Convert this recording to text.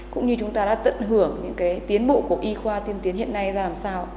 cũng như chúng ta đã tận hưởng những cái tiến bộ của y khoa tiên tiến hiện nay ra làm sao